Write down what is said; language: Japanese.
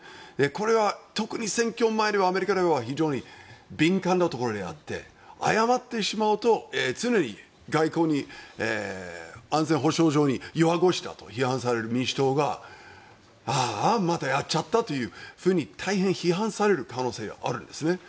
これは特に選挙前では非常に敏感なところであって謝ってしまうと常に外交に、安全保障上に弱腰だと批判される民主党があーあ、またやっちゃったと大変批判される可能性があるんですね。